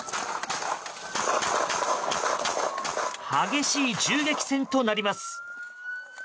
激しい銃撃戦となります。